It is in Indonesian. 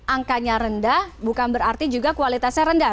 tidak hanya rendah bukan berarti juga kualitasnya rendah